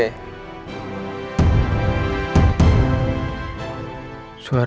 oke selamat pagi